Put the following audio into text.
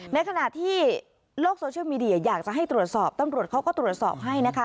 ในขณะที่โลกโซเชียลมีเดียอยากจะให้ตรวจสอบตำรวจเขาก็ตรวจสอบให้นะคะ